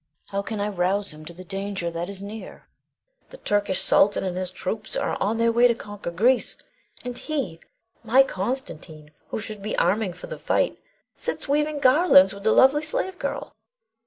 How can I rouse him to the danger that is near! The Turkish sultan and his troops are on their way to conquer Greece, and he, my Constantine, who should be arming for the fight, sits weaving garlands with the lovely slave girl!